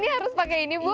wah ini harus pakai ini bu